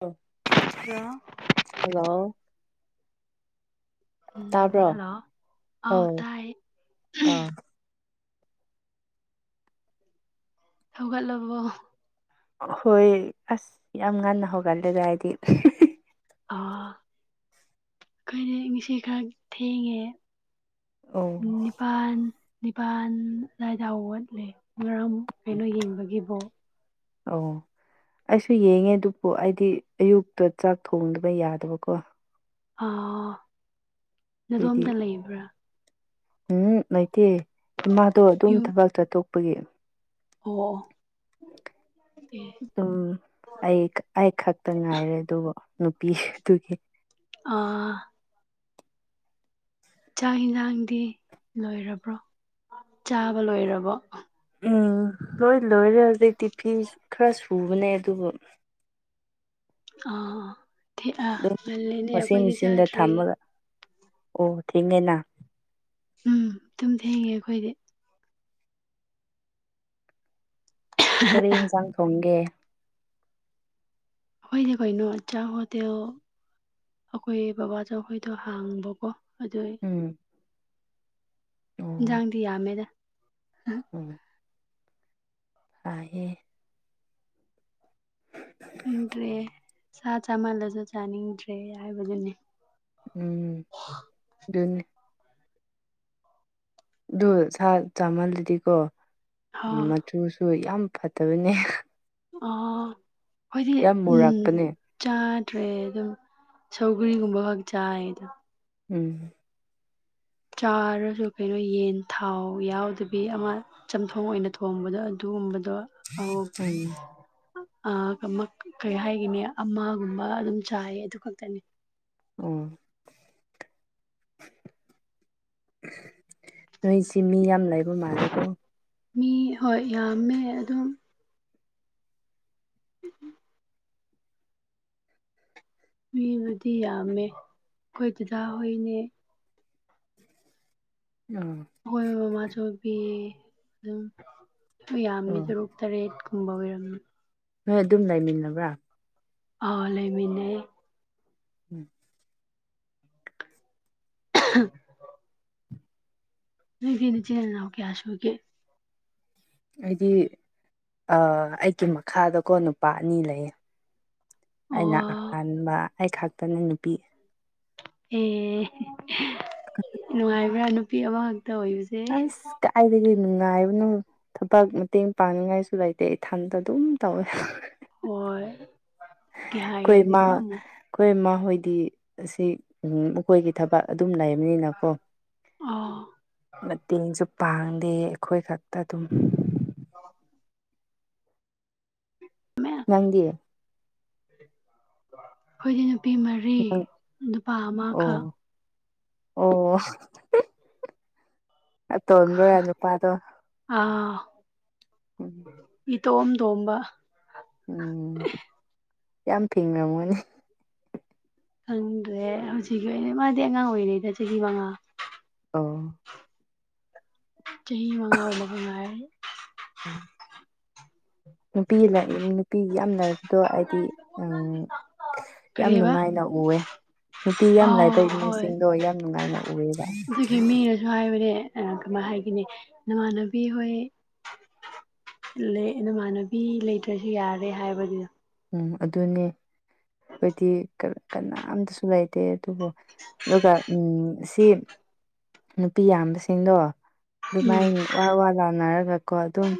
ꯑꯣ ꯑꯗꯨꯒ ꯍꯜꯂꯣ ꯎꯝ ꯇꯥꯕ꯭ꯔꯣ ꯍꯜꯂꯣ ꯑꯥꯎ ꯑꯧ ꯇꯥꯏ ꯑꯥ ꯍꯧꯒꯠꯂꯕꯣ ꯍꯣꯏ ꯑꯁ ꯌꯥꯝ ꯉꯟꯅ ꯍꯧꯒꯠꯂꯦꯗ ꯍꯥꯏꯗꯤ ꯑ ꯑꯩꯈꯣꯏꯗꯤ ꯉꯁꯤ ꯈꯔ ꯊꯦꯡꯉꯦ ꯑꯣ ꯅꯤꯄꯜ ꯅꯤꯄꯥꯜ ꯑꯗꯨꯋꯥꯏꯗꯥ ꯋꯥꯠꯂꯦ ꯃꯔꯝ ꯀꯩꯅꯣ ꯌꯦꯡꯕꯒꯤꯕꯨ ꯑꯣ ꯑꯩꯁꯨ ꯌꯦꯡꯉꯦ ꯑꯗꯨꯕꯨ ꯑꯩꯗꯤ ꯑꯌꯨꯛꯇ ꯆꯥꯛ ꯊꯣꯡꯗꯕ ꯌꯥꯗꯕꯀꯣ ꯑ ꯑꯩꯈꯣꯏꯗꯤ ꯑꯗꯣꯝꯇ ꯂꯩꯕ꯭ꯔꯥ ꯎꯝ ꯂꯩꯇꯦ ꯏꯃꯥꯗꯣ ꯑꯗꯨꯝ ꯌꯨꯝ ꯊꯕꯛ ꯆꯠꯊꯣꯛꯄꯒꯤ ꯑꯣ ꯑꯦ ꯑꯗꯨꯝ ꯑꯩ ꯑꯩ ꯈꯛꯇ ꯉꯥꯏꯔꯦ ꯑꯗꯨꯕꯨ ꯅꯨꯄꯤꯗꯨꯒꯤ ꯑꯥ ꯆꯥꯛ ꯌꯦꯟꯁꯥꯡꯗꯤ ꯂꯣꯏꯔꯕ꯭ꯔꯣ ꯆꯥꯕ ꯂꯣꯏꯔꯕꯣ ꯎꯝ ꯂꯣꯏ ꯂꯣꯏꯔꯦ ꯍꯧꯖꯤꯛꯇꯛꯇꯤ ꯐꯤ ꯈꯔ ꯁꯨꯕꯅꯦ ꯑꯗꯨꯕꯨ ꯑꯥ ꯊ ꯑ ꯑꯗꯨꯝ ꯉꯂꯦꯅꯦ ꯋꯥꯁꯤꯡ ꯑꯩꯈꯣꯏꯗꯤ ꯃꯦꯆꯤꯟꯗ ꯆꯥꯗ꯭ꯔꯤ ꯊꯝꯃꯒ ꯑꯣ ꯊꯦꯡꯉꯦꯅ ꯎꯝ ꯇꯨꯝ ꯊꯦꯡꯉꯦ ꯑꯩꯈꯣꯏꯗꯤ ꯀꯔꯤ ꯌꯦꯟꯁꯥꯡ ꯊꯣꯡꯒꯦ ꯀꯣꯏꯩꯅ ꯀꯣꯏꯅ ꯍꯆꯥꯥꯕꯨꯣ ꯇꯣ ꯑꯩꯈꯣꯏ ꯕꯕꯥꯗꯈꯣꯏꯗꯣ ꯍꯥꯡꯕꯀꯣ ꯑꯗꯨ ꯎꯝ ꯑꯣ ꯏꯟꯖꯥꯡꯗꯤ ꯌꯥꯝꯃꯦꯗ ꯎꯝ ꯍꯥꯏꯦ ꯅꯦ ꯁꯥ ꯆꯥꯃꯜꯂꯁꯨ ꯆꯥꯅꯤꯡꯗ꯭ꯔꯦ ꯍꯥꯏꯕꯗꯨꯅꯦ ꯎꯝ ꯑꯗꯨꯅꯤ ꯑꯗꯨ ꯁꯥ ꯆꯥꯝꯃꯜꯂꯗꯤꯀꯣ ꯍꯥ ꯃꯆꯨꯁꯨ ꯌꯥꯝ ꯐꯠꯇꯕꯅꯦ ꯑ ꯐꯣꯏꯗꯤ ꯌꯥꯝ ꯎꯝ ꯃꯨꯔꯛꯄꯅꯦ ꯆꯥꯗ꯭ꯔꯦ ꯑꯗꯨꯝ ꯁꯧꯒꯔꯤꯒꯨꯝꯕ ꯈꯛ ꯆꯥꯏ ꯑꯗꯣ ꯎꯝ ꯆꯥꯔꯁꯨ ꯀꯩꯅꯣ ꯌꯦꯟ ꯊꯥꯎ ꯌꯥꯎꯗꯕꯤ ꯑꯃ ꯆꯝꯊꯣꯡ ꯑꯣꯏꯅ ꯊꯣꯡꯕꯗꯣ ꯑꯗꯨꯒꯨꯝꯕꯗꯣ ꯑ ꯀꯩ ꯍꯥꯏꯒꯅꯦ ꯑꯃꯒꯨꯝꯕ ꯑꯗꯨꯝ ꯆꯥꯏꯌꯦ ꯑꯗꯨ ꯈꯛꯇꯅꯤ ꯑꯣ ꯅꯣꯏ ꯆꯃꯤ ꯌꯥꯝ ꯂꯩꯕ ꯃꯥꯜꯂꯤꯀꯣ ꯃꯤ ꯍꯣꯏ ꯌꯥꯝꯃꯦ ꯑꯗꯨꯝ ꯎꯝ ꯎꯝ ꯃꯤꯕꯨꯗꯤ ꯌꯥꯝꯃꯦ ꯑꯩꯈꯣꯏ ꯑꯗꯨꯗꯥ ꯍꯣꯏꯅꯦ ꯎꯝ ꯑꯩꯣꯏ ꯃꯃꯥꯁꯨꯕꯤ ꯑꯗꯨꯝ ꯌꯥꯝꯃꯤ ꯑꯣ ꯇꯔꯨꯛ ꯇꯔꯦꯠꯀꯨꯝꯕ ꯑꯣꯏꯔꯝꯃꯤ ꯍꯣꯏ ꯑꯗꯨꯝ ꯂꯩꯃꯤꯟꯅꯕ꯭ꯔꯥ ꯑ ꯂꯩꯃꯤꯅꯦ ꯎꯝ [unintelligible] ꯅꯣꯏꯗꯤ ꯏꯆꯦꯜ ꯏꯅꯥꯎ ꯀꯌꯥ ꯁ ꯑꯣꯏꯒꯦ ꯑꯩꯗꯤ ꯑꯩꯒꯤ ꯃꯈꯥꯗꯀꯣ ꯅꯨꯄꯥ ꯑꯅꯤ ꯂꯩꯌꯦ ꯑꯣ ꯑꯩꯅ ꯑꯍꯥꯟꯕ ꯑꯩ ꯈꯥꯛꯛꯇꯅ ꯅꯨꯄꯤ ꯑꯦ ꯅꯨꯡꯉꯥꯏꯕ꯭ꯔꯥ ꯅꯨꯄꯤ ꯑꯃꯈꯛꯇ ꯑꯣꯏꯁꯦ ꯑ ꯀꯥꯏꯗꯒꯤꯅꯅꯨꯡꯉꯕꯅ ꯊꯕꯛ ꯃꯇꯦꯡ ꯄꯥꯡꯅꯤꯡꯉꯥꯏꯁꯨ ꯂꯩꯇꯦ ꯏꯊꯟꯗ ꯑꯗꯨꯝ ꯇꯧꯋꯦ ꯍꯣꯏ ꯀ ꯍꯥꯏꯥꯏ ꯑꯩꯈꯣꯏ ꯍꯥꯏꯗꯤꯀꯣ ꯃꯥ ꯑꯃꯨꯛ ꯑꯩꯈꯣꯏ ꯃꯈꯣꯏꯗꯤ ꯑꯁꯤ ꯃꯈꯣꯏꯒꯤ ꯊꯕꯛ ꯑꯗꯨꯝ ꯂꯩꯕꯅꯤꯅꯀꯣ ꯑꯥ ꯃꯇꯦꯡꯁꯨ ꯄꯥꯡꯗꯦ ꯑꯩꯈꯣꯏ ꯈꯛꯇ ꯑꯗꯨꯝ ꯑ ꯃꯌꯥꯝ ꯅꯪꯗꯤꯌꯦ ꯑꯩꯈꯣꯏꯗꯤ ꯅꯨꯄꯤ ꯃꯔꯤ ꯅꯪ ꯅꯨꯄꯥ ꯑꯃꯈꯛ ꯑꯣ ꯑꯣ ꯇꯣꯟꯕ ꯅꯨꯄꯥꯗꯣ ꯑ ꯎꯝ ꯏ ꯇꯣꯝ ꯇꯣꯝꯕ ꯎꯝ ꯌꯥꯝ ꯐꯦꯡꯉ ꯃꯣꯏꯅꯦ ꯈꯪꯗ꯭ꯔꯦ ꯍꯧꯖꯤꯛꯀꯤ ꯑꯣꯏꯅ ꯃꯥꯗꯤ ꯑꯉꯥꯡ ꯑꯣꯏꯔꯤꯉꯩꯗ ꯆꯍꯤ ꯃꯉꯥ ꯑ ꯆꯍꯤ ꯃꯉꯥ ꯃ ꯃꯉ ꯎꯝ ꯅꯨꯄꯤ ꯂ ꯅꯨꯄꯤ ꯌꯥꯝ ꯂꯥꯏꯕꯗꯣ ꯍꯥꯏꯗꯤ ꯎꯝ ꯌꯥꯝ ꯀꯔꯤꯕ ꯅꯨꯡꯉꯥꯏꯅ ꯎꯑꯦ ꯅꯨꯄꯤ ꯌꯥꯝ ꯂꯥꯏꯕ ꯑꯥ ꯍꯣꯏ ꯏꯃꯨꯡꯁꯤꯡꯗꯣ ꯌꯥꯝ ꯅꯨꯡꯉꯥꯏꯅ ꯎꯑꯦ ꯑꯗꯨꯒꯤ ꯃꯤꯅꯁꯨ ꯍꯥꯏꯕꯅꯦ ꯀꯃꯥꯏ ꯍꯥꯏꯈꯤꯅꯤ ꯅꯃꯥꯟꯅꯕꯤ ꯍꯣꯏ ꯂꯩ ꯅꯃꯥꯟꯅꯕꯤ ꯂꯩꯇ꯭ꯔꯁꯨ ꯌꯥꯔꯦ ꯍꯥꯏꯕꯗꯨꯗ ꯎꯝ ꯑꯗꯨꯅꯦ ꯑꯈꯣꯏꯗꯤ ꯀꯅꯥꯝꯇꯁꯨ ꯂꯩꯇꯦ ꯑꯗꯨꯕꯨ ꯑꯗꯨꯒ ꯎꯝ ꯁꯤ ꯅꯨꯄꯤ ꯌꯥꯝꯕꯁꯤꯡꯗꯣ ꯎꯝ ꯑꯗꯨꯃꯥꯏꯅ ꯋꯥ ꯋꯥ ꯂꯥꯅꯔꯒꯀꯣ ꯑꯗꯨꯝ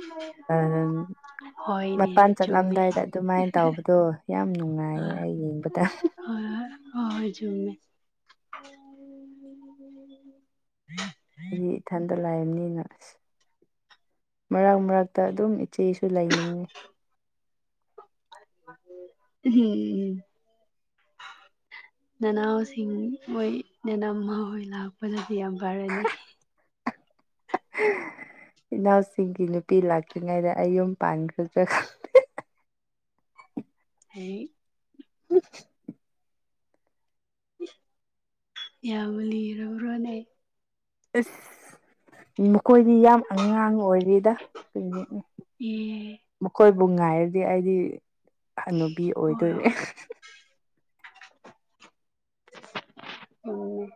ꯍꯣꯏ ꯃꯄꯥꯟ ꯆꯠꯂꯝꯗꯥꯏꯗ ꯑꯗꯨꯃꯥꯏꯅ ꯇꯧꯕꯗꯣ ꯌꯥꯝ ꯅꯨꯡꯉꯥꯏꯌꯦ ꯑꯩ ꯌꯦꯡꯕꯗ ꯍ ꯍꯖꯃꯦ ꯎꯝ ꯎꯝ ꯏꯊꯟꯇ ꯂꯥꯏꯔꯕꯕꯅꯤꯅ ꯑꯁ ꯃꯔꯛ ꯃꯔꯛꯇ ꯑꯗꯨꯝ ꯏꯆꯦꯁꯨ ꯂꯩꯅꯤꯡꯉꯤ ꯍꯝ ꯅꯅꯥꯁꯤꯡ ꯑꯣꯏꯣꯏ ꯅꯅꯥꯃ ꯍ ꯂꯥꯛ ꯐꯅꯗꯤ ꯌꯥꯝ ꯐꯔꯅꯤ ꯏꯅꯥꯎꯁꯤꯡꯒꯤ ꯅꯨꯄꯤ ꯂꯥꯛꯇ꯭ꯔꯤꯉꯩꯗ ꯑꯩꯌꯨꯝ ꯄꯥꯟꯈ꯭ꯔꯗ꯭ꯔꯥ ꯑꯩ ꯎ ꯌꯥꯕ ꯂꯩ꯭ꯔꯣꯅꯦ ꯑ ꯃꯈꯣꯏꯗꯤ ꯌꯥꯝ ꯑꯉꯥꯡ ꯑꯣꯏꯔꯤꯗ ꯀꯩꯅꯤ ꯑꯦ ꯃꯈꯣꯏꯕꯨ ꯉꯥꯏꯔꯗꯤ ꯑꯩꯗꯤ ꯍꯥꯅꯨꯕꯤ ꯍꯣꯏ ꯑꯣꯏꯗꯣꯏꯔꯦ ꯍꯣꯏ ꯎꯝ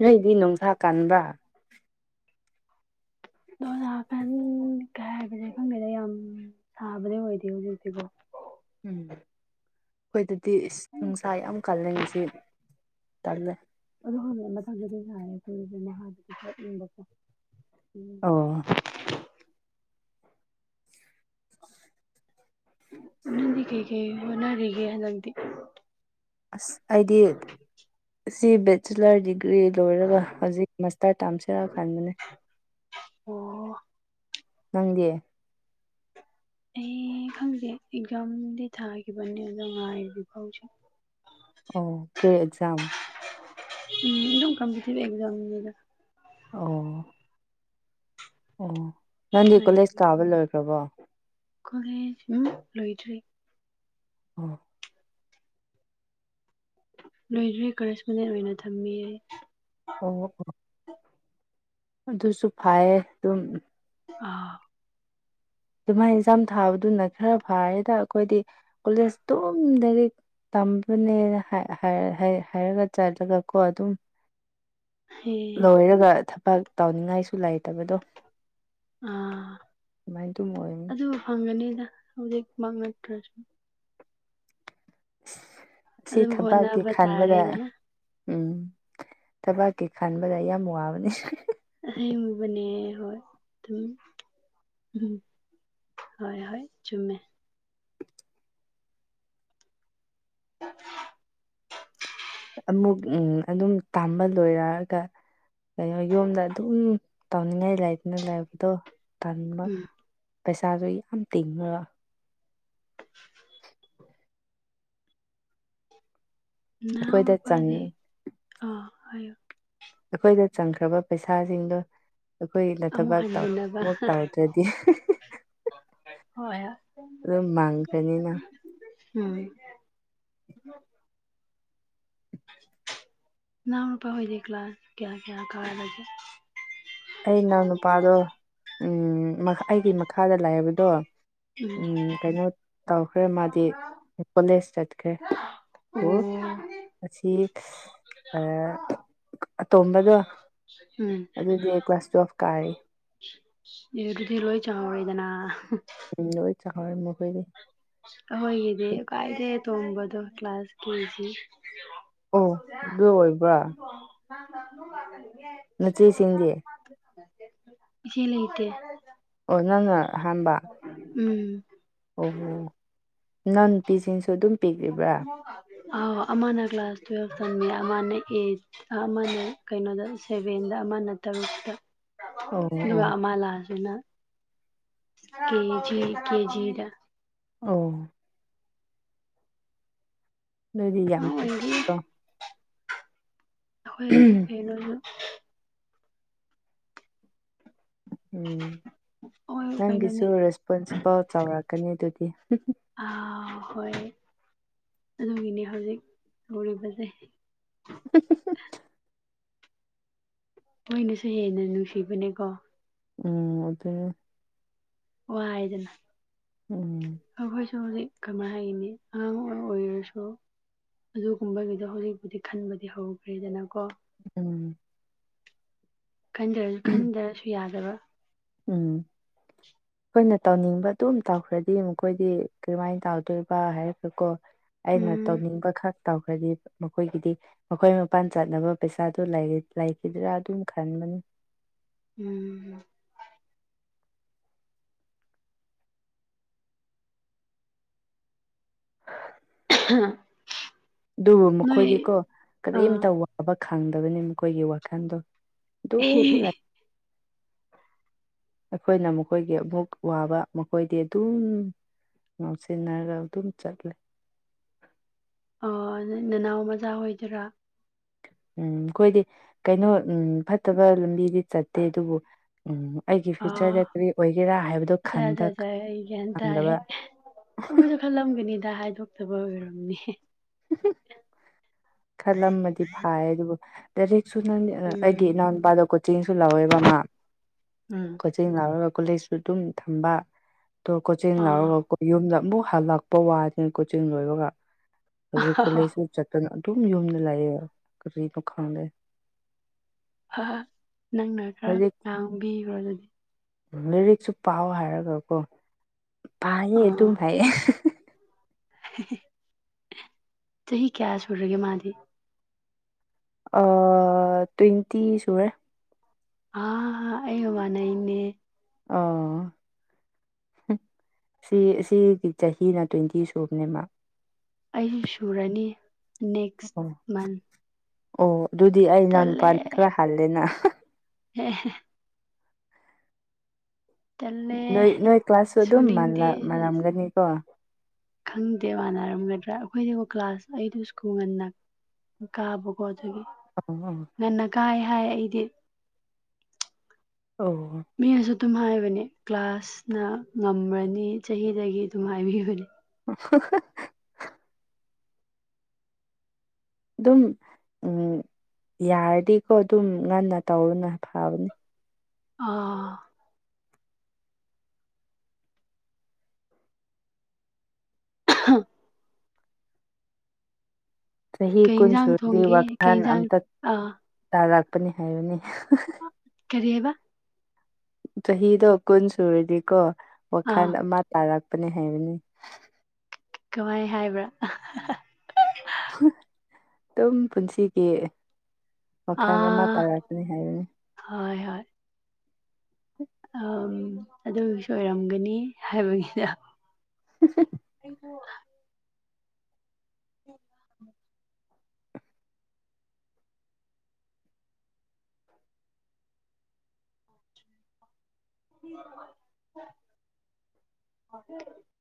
ꯅꯣꯏꯗꯤ ꯅꯨꯡꯁꯥ ꯀꯟꯕ ꯖꯥꯐꯦꯟ ꯀꯩ ꯍꯥꯏꯕꯁꯦ ꯈꯪꯗꯦꯗ ꯌꯥꯝ ꯁꯥꯕꯗꯤ ꯑꯣꯏꯗꯦ ꯍꯧꯖꯤꯛꯇꯤꯕꯣ ꯎꯝ ꯑꯩꯈꯣꯏꯗꯗꯤ ꯅꯨꯡꯁꯥ ꯌꯥꯝ ꯀꯜꯂꯦ ꯉꯁꯤ ꯇꯜꯂ ꯑꯗꯨꯣ ꯍꯪꯅ ꯃꯊꯪꯗꯗꯤ ꯍꯥꯏꯔꯦ ꯑꯩꯈꯣꯏꯗꯤ ꯆꯅꯤꯡꯕꯀꯣ ꯎꯝ ꯑꯣ ꯑꯣꯗꯤ ꯀꯩ ꯀꯩ ꯑꯣꯅꯥꯔꯒ ꯍꯂꯛꯗꯤ ꯑ ꯑꯩꯗꯤ ꯁꯤꯕꯠ ꯕꯦꯆꯤꯂꯔ ꯗꯤꯒ꯭ꯔꯤ ꯂꯣꯏꯔꯒ ꯍꯧꯖꯤꯛ ꯃꯥꯁꯇꯔ ꯇꯥꯝꯁꯤꯔꯛꯑꯀꯥꯟꯕꯅꯦ ꯑꯣ ꯅꯪꯗꯤ ꯑꯩ ꯈꯪꯗꯦ ꯑꯦꯛꯖꯥꯝꯗꯤ ꯊꯥꯈꯤꯕꯅꯤ ꯑꯗꯣ ꯉꯥꯏꯔꯤꯕ ꯐꯥꯎꯁꯨ ꯑꯣ ꯀꯦꯖꯝ ꯎꯝ ꯑꯗꯨꯝ ꯀꯝꯇꯤꯚ ꯑꯦꯖꯝꯗ ꯑꯣ ꯑꯣ ꯅꯪꯗꯤ ꯀꯣꯂꯦꯖ ꯀꯥꯕ ꯂꯣꯏꯈ꯭ꯔꯕꯣ ꯀꯣꯂꯦ ꯂꯣꯏꯗ꯭꯭ꯔꯔꯤ ꯎꯝ ꯂꯣꯏꯗ꯭ꯔꯤ ꯀꯔꯦꯁꯄꯗꯦꯟ ꯑꯣꯏꯅ ꯊꯝꯕꯤꯌꯦ ꯑꯣ ꯑꯣ ꯑꯗꯨꯁꯨ ꯐꯩꯌꯦ ꯑꯗꯨꯝ ꯑ ꯑꯗꯨꯃꯥꯏꯅ ꯑꯦꯛꯖꯥꯝ ꯊꯥꯕꯗꯨꯅ ꯈꯔ ꯐꯔꯦꯗ ꯑꯩꯈꯣꯏꯗꯤ ꯀꯣꯂꯦꯖ ꯇꯝ ꯂꯗꯥꯔꯤꯛ ꯇꯝꯕꯅꯦꯅ ꯍꯥꯏꯔꯒ ꯆꯠꯂꯒ ꯀꯣ ꯑꯗꯨꯝ ꯍꯦ ꯂꯣꯏꯔꯒ ꯊꯕꯛ ꯇꯧꯅꯤꯡꯉꯥꯏꯁꯨ ꯂꯩꯥꯏꯇꯕꯗꯣ ꯑ ꯑꯗꯨꯝ ꯑꯣꯏꯕꯅꯤ ꯑꯗꯨ ꯐꯪꯒꯅꯤꯗ ꯍꯧꯖꯤꯛ ꯃꯡꯅꯇ꯭ꯔꯁꯨ ꯑꯁꯤ ꯑꯗꯨꯝ ꯊꯕꯛꯀꯤ ꯍꯣꯠꯅꯕ ꯈꯟꯕꯗ ꯇꯥꯔꯦꯗꯅ ꯎꯝ ꯊꯕꯥꯛꯀꯤ ꯈꯥꯟꯕꯗ ꯌꯥꯝ ꯋꯥꯕꯅꯤ ꯑꯁ ꯑꯃꯨꯕꯅꯦ ꯍꯣꯏ ꯑꯗꯨ ꯎꯝ ꯍꯣꯏ ꯍꯣꯏ ꯆꯨꯝꯃꯦ [inaudible] ꯑꯃꯨꯛ ꯎ ꯑꯗꯨꯝ ꯇꯥꯝꯕ ꯂꯣꯏꯔꯒ ꯀꯩꯅꯣ ꯌꯣꯝꯗ ꯑꯗꯨꯝ ꯇꯥꯎꯅꯤꯡꯉꯥꯏ ꯂꯩꯗꯅ ꯂꯥꯏꯕꯗꯣ ꯇꯟꯕ ꯎꯝ ꯄꯩꯁꯥꯁꯨ ꯌꯥꯝ ꯇꯤꯡꯉꯒ [unintelligible] ꯅꯅꯥꯎ ꯑꯩꯈꯣꯏꯗ ꯆꯪ ꯃꯄꯥꯗꯤ ꯑ ꯍꯥꯏꯌꯣ ꯑꯩꯈꯣꯏꯗ ꯆꯪꯈ꯭ꯔꯕ ꯄꯩꯁꯥꯁꯤꯡꯗꯣ ꯑꯩꯈꯣꯏꯅ ꯑꯃꯨꯛ ꯊꯕꯥꯛ ꯍꯟꯖꯤꯟꯅꯕ ꯑꯃꯨꯛ ꯇꯥꯎꯗ꯭ꯔꯗꯤ ꯍꯣꯏ ꯍ ꯑꯗꯨꯝ ꯃꯥꯡꯈ꯭ꯔꯅꯤꯅ ꯅꯅꯨꯄꯥ ꯈꯣꯏꯗ ꯀꯂꯥꯁ ꯀꯌꯥ ꯀꯌꯥ ꯀꯔꯒꯦ ꯑꯩ ꯏꯅꯥꯎ ꯅꯨꯨꯄꯥꯗꯣ ꯎ ꯑꯩꯒꯤ ꯃꯈꯥꯗ ꯂꯩꯕꯗꯣ ꯎꯝ ꯀꯩꯅꯣ ꯇꯧꯈ꯭ꯔꯦ ꯃꯥꯗꯤ ꯀꯣꯂꯦꯖ ꯆꯠꯈ꯭ꯔꯦ ꯑꯣ ꯑꯁꯤ ꯑꯇꯣꯝꯕꯗꯣ ꯎꯝ ꯑꯗꯨꯗꯤ ꯀꯋꯥ ꯑꯣꯐ ꯀ ꯍꯥꯏ ꯑꯥ ꯑꯗꯨꯗꯤ ꯂꯣꯏ ꯆꯥꯎꯔꯦꯗꯅ ꯎꯝ ꯂꯣꯏ ꯆꯥꯎꯔꯦ ꯃꯈꯣꯏꯗꯤ ꯍꯣꯏꯒꯗ ꯀꯥꯏꯗꯒꯤ ꯑꯇꯣꯟꯕꯗꯣ ꯀꯂ꯭ꯥꯁ ꯀꯦꯖꯤ ꯑꯣ ꯑꯗꯨ ꯑꯣꯏꯕ꯭ꯔꯥ ꯅꯆꯦꯁꯤꯡꯗꯤ ꯏꯆꯦ ꯂꯩꯇꯦ ꯑꯣ ꯅꯪꯅ ꯑꯍꯥꯟꯕ ꯎꯝ ꯑꯣ ꯅꯪ ꯄꯤꯁꯤꯡꯁꯨ ꯑꯗꯨꯝ ꯄꯤꯛꯂꯤꯕ꯭ꯔꯥ ꯑ ꯑꯃꯅ ꯀ꯭ꯂꯥꯁ ꯇꯨꯋꯦꯜ ꯇꯥꯃꯤ ꯑꯃꯅ ꯑꯩꯠ ꯑꯃꯅ ꯀꯩꯅꯣꯗ ꯁꯦꯚꯦꯟꯗ ꯑꯃꯅ ꯇꯔꯇ ꯑꯣ ꯑꯗꯨꯒ ꯑꯣ ꯑꯃꯥꯂꯥꯁꯤꯅ ꯀꯦꯖꯤ ꯀꯦꯖꯤꯗ ꯑꯣ ꯅꯗꯤ ꯌꯥꯝꯝ ꯑꯉꯥꯡ ꯄꯤꯛ ꯑꯣꯏꯔꯗꯤ ꯑꯩꯈꯣꯏ ꯀꯩꯅꯣ ꯎꯝ ꯑꯩꯈꯣꯏ ꯅꯪꯒꯤꯁꯨ ꯀꯩꯅꯣꯅꯦ ꯔꯦꯁꯄꯣꯟꯁꯤꯕꯜ ꯆꯥꯎꯔꯛꯀꯅꯤ ꯑꯗꯨꯗꯤ ꯑꯥ ꯍꯣꯏ ꯑꯗꯨꯒꯤꯅꯦ ꯍꯧꯖꯤꯛ ꯂꯨꯔꯤꯕꯁꯦ [unintelligible] ꯈꯣꯏꯅꯁꯨ ꯍꯦꯟꯅ ꯅꯨꯡꯁꯤꯕꯅꯦꯀꯣ ꯎꯝ ꯑꯗꯨꯅꯦ ꯋꯥꯏꯗꯅ ꯎꯝ ꯑꯩꯈꯣꯏꯁꯨ ꯍꯧꯖꯤꯛ ꯀꯃꯥꯏꯅ ꯍꯥꯏꯒꯅꯤ ꯑꯃꯃꯥꯕꯨ ꯑꯣꯏꯔꯁꯨ ꯑꯗꯨꯒꯨꯝꯕꯒꯤꯗꯣ ꯍꯧꯖꯤꯛꯄꯨꯗꯤ ꯈꯟꯕꯗꯤ ꯍꯧꯈ꯭ꯔꯦꯗꯅꯀꯣ ꯎꯝ ꯈꯟꯗꯔꯁꯨ ꯈꯟꯗꯔꯁꯨ ꯌꯥꯗꯕ ꯎꯝ ꯑꯩꯈꯣꯏꯅ ꯇꯧꯅꯤꯡꯕ ꯑꯗꯨꯝ ꯇꯧꯈ꯭ꯔꯗꯤ ꯃꯈꯣꯏꯗꯤ ꯀꯔꯝꯍꯥꯏꯅ ꯇꯧꯗꯣꯏꯕ ꯍꯥꯏꯔꯒꯀꯣ ꯑꯩꯅ ꯎꯝ ꯇꯧꯅꯤꯡꯕ ꯈꯛ ꯇꯧꯈ꯭ꯔꯗꯤ ꯃꯈꯣꯏꯒꯤꯗꯤ ꯃꯈꯣꯏ ꯃꯄꯥꯟ ꯆꯠꯅꯕ ꯄꯩꯁꯥꯗꯣ ꯂꯩ ꯂꯩꯈꯤꯗ꯭ꯔꯥ ꯑꯗꯨꯝ ꯈꯟꯕꯅꯤ ꯎꯝ [unintelligible] ꯑꯗꯨꯕꯨ ꯅꯣꯏ ꯃꯈꯣꯏꯗꯤꯀꯣ ꯑꯥ ꯀꯔꯤꯝꯇ ꯋꯥꯕ ꯈꯪꯗꯕꯅꯤ ꯃꯈꯣꯏꯒꯤ ꯋꯥꯈꯜꯗꯣ ꯗꯨꯝ ꯂꯩ [unintelligible] ꯑꯩꯈꯣꯏꯅ ꯃꯈꯣꯏꯒꯤ ꯑꯃꯨꯛ ꯋꯥꯕ ꯃꯈꯣꯏꯗꯤ ꯑꯗꯨꯝ ꯉꯧꯁꯤꯟꯅꯔꯒ ꯑꯗꯨꯝ ꯆꯠꯂꯦ ꯑꯥ ꯅ‌ꯣꯏ ꯅꯅꯥꯎ ꯃꯆꯥ ꯍ‌ꯣꯏꯗꯨꯔ‌ꯥ ꯎꯝ ꯑꯩꯈꯣꯏꯗꯤ ꯀꯩꯅꯣ ꯎꯝ ꯐꯠꯇꯕ ꯂꯝꯕꯤꯗꯤ ꯆꯠꯇꯦ ꯑꯗꯨꯕꯨ ꯎꯝ ꯑꯩꯒꯤ ꯑꯣ ꯐ꯭ꯌꯨꯆꯔꯗꯥ ꯀꯔꯤ ꯑꯣꯏꯒꯦꯔꯥ ꯍꯥꯏꯕꯗꯨ ꯑꯆꯥ ꯑꯆꯥ ꯈꯟꯗ ꯑꯆꯥ ꯈꯪꯗꯕ ꯅ ꯃꯣꯏꯁꯨ ꯈꯜꯂꯝꯒꯅꯤꯗ ꯍꯥꯏꯗꯣꯛꯇꯕ ꯑꯣꯏꯔꯝꯅꯦ ꯈꯜꯂꯝꯃꯗꯤ ꯐꯥꯏ ꯑꯗꯨꯕꯨ ꯂꯥꯏꯔꯤꯛꯁꯨ ꯅꯪꯗꯤ ꯎꯝ ꯑꯩꯒꯤ ꯏꯅꯥꯎꯅꯨꯄꯥꯗ‌ꯣ ꯀꯣꯆꯤꯡꯁꯨ ꯂꯧꯋꯦꯕ ꯃꯥ ꯎꯝ ꯀ‌ꯣ ꯆꯤꯡ ꯂꯥꯎꯔꯒ ꯀꯣꯂꯦꯖꯁꯨ ꯑꯗꯨꯝ ꯊꯝꯕ ꯗ‌ꯣ ꯀꯣꯆꯤꯡ ꯑꯥ ꯂꯥꯎꯔꯒꯀ‌ꯣ ꯌꯨꯝꯗ ꯑꯃꯨꯛ ꯍꯜꯂꯛꯄ ꯋꯥꯅꯤ [inaudible] ꯀꯣꯆꯤꯡ ꯂꯣꯏꯕꯒ ꯍꯧꯖꯤꯛ ꯀꯣꯂ‌ꯦꯖ ꯑꯍꯥꯍꯥ ꯃꯨꯛ ꯆꯠꯇꯅ ꯇꯨꯝ ꯌꯨꯝꯗꯥ ꯂꯥꯏꯌꯦ ꯀꯔꯤꯅꯦ ꯈꯪꯗꯦ ꯑ ꯅꯪꯅ ꯈꯔ ꯉꯥꯡꯕꯤꯈ꯭ꯔꯣ ꯑꯗꯨꯗꯤ ꯂꯩꯔꯤꯛꯁꯨ ꯄꯥꯎ ꯍꯥꯏꯔꯒꯀꯣ ꯄꯥꯌꯦ ꯑꯥ ꯑꯗꯨꯝ ꯍꯥꯏꯌ‌ꯦ [unintelligible] ꯆꯍꯤ ꯀꯌꯥ ꯁꯨꯔꯒꯦ ꯃꯥꯗꯤ ꯑ ꯇ꯭ꯋꯦꯟꯇꯤ ꯁꯨꯔꯦ ꯑ ꯑꯩꯒ ꯃꯥꯟꯅꯩꯅꯦ ꯑꯥ [unintelligible] ꯁꯤ ꯁꯤꯒꯤ ꯆꯍꯤꯅ ꯇ꯭ꯋꯦꯟꯇꯤ ꯁꯨꯕꯅꯦ ꯃꯥ ꯑꯩ ꯁꯨꯔꯅꯤ ꯅꯦꯛꯁ ꯑꯣ ꯃꯟ ꯑꯣ ꯑꯗꯨꯗꯤ ꯑꯩ ꯇꯜꯂꯦ ꯏꯅꯥꯎꯅꯨꯄꯥꯅ ꯈꯔ ꯍꯜꯂꯦꯅ [unintelligible] ꯇꯜꯂꯦ ꯅꯣꯏ ꯅꯣꯏ ꯀ꯭ꯂꯥꯁꯁꯨ ꯑꯗꯨꯝ ꯁꯨꯅꯤꯡꯗꯦ ꯃꯥꯜꯂꯝ ꯑꯁ ꯃꯥꯜꯂꯝꯒꯅꯤꯀꯣ ꯈꯪꯗꯦ ꯃꯥꯟꯅꯔꯝꯒꯗ꯭ꯔꯥ ꯑꯩꯈꯣꯏꯁꯤꯕꯨ ꯀ꯭ꯂꯥꯁ ꯑꯩꯗꯨ ꯁ꯭ꯀꯨꯜ ꯉꯟꯅ ꯀꯥꯕꯀꯣ ꯑꯗꯨꯒꯤ [unintelligible] ꯉꯟꯅ ꯀꯥꯏ ꯍꯥꯏ ꯑꯩꯗꯤ ꯑꯣ ꯃꯤꯅꯁꯨ ꯑꯗꯨꯝ ꯍꯥꯏꯕꯅꯦ ꯀ꯭ꯂꯥꯁꯅ ꯉꯝꯔꯅꯤ ꯆꯍꯤꯗꯒꯤ ꯑꯗꯨꯝ ꯍꯥꯏꯕꯤꯕꯅꯦ [unintelligible] ꯑꯗꯨꯝ ꯎ ꯌꯥꯔꯗꯤꯀꯣ ꯑꯗꯨꯝ ꯉꯟꯅ ꯇꯧꯕꯅ ꯐꯕꯅꯦ ꯑꯥ ꯑ [inaudible] ꯆꯍꯤ ꯀꯩ ꯀꯨꯟ ꯌꯦꯟꯁꯥꯡ ꯁꯨꯔꯗꯤ ꯊꯣꯡꯒꯦ ꯀꯩ ꯋꯥꯈꯜ ꯌꯦꯟꯁꯥꯡ ꯑꯝꯇ ꯑꯥ ꯇꯥꯔꯥꯛꯄꯅꯤ ꯍꯥꯏꯌꯦꯅꯦ ꯀꯔꯤ ꯍꯥꯏꯕ ꯆꯍꯤꯗꯣ ꯀꯨꯟ ꯁꯨꯔꯗꯤꯀꯣ ꯑꯥ ꯋꯥꯈꯜ ꯑꯃ ꯇꯥꯔꯛꯄꯅꯦ ꯍꯥꯏꯕꯅꯤ ꯀꯃꯥꯏ ꯍꯥꯏꯕ꯭ꯔꯥ ꯑꯗꯨꯝ ꯄꯨꯟꯁꯤꯒꯤ ꯃꯈꯜ ꯑꯃ ꯑꯥ ꯇꯥꯔꯛꯀꯅꯤ ꯍꯥꯏꯕꯅꯤ ꯍꯣꯏ ꯍꯣꯏ ꯑ ꯑꯗꯨꯁꯨ ꯑꯣꯏꯔꯝꯒꯅꯤ ꯍꯥꯏꯕꯒꯤꯗ [unintelligible] [unintelligible] [unintelligible] [unintelligible]